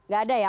gak ada ya